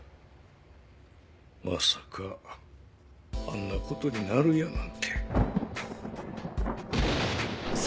まさかあんな事になるやなんて。